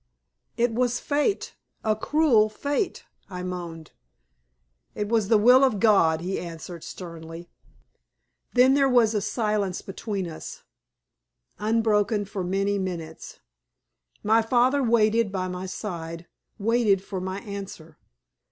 "It was fate! a cruel fate!" I moaned. "It was the will of God," he answered, sternly. Then there was a silence between us, unbroken for many minutes. My father waited by my side waited for my answer.